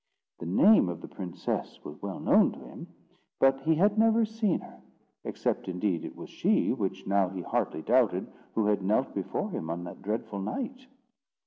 The name of the Princess was well known to him, but he had never seen her; except indeed it was she, which now he hardly doubted, who had knelt before him on that dreadful night.